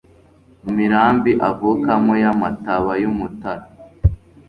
Mu mirambi avukamo Yamataba yUmutara